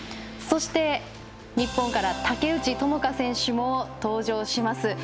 そして、日本から竹内智香選手も登場します。